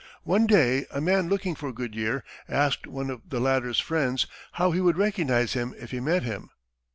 One day a man looking for Goodyear asked one of the latter's friends how he would recognize him if he met him.